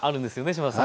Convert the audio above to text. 島田さん。